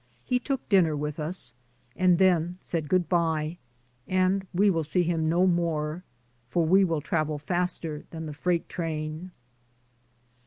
He took dinner with us, and then said good bye, and we will see him no more, for we will travel faster than the freight train.